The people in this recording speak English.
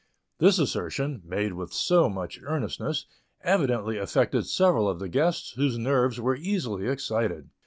This assertion, made with so much earnestness, evidently affected several of the guests, whose nerves were easily excited.